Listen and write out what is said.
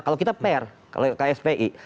kalau kita fair kalau kspi